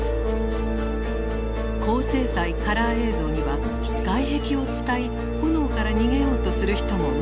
高精細カラー映像には外壁をつたい炎から逃げようとする人も映っていた。